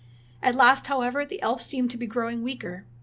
At last, however, the elf seemed to be growing weaker.